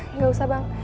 enggak usah bang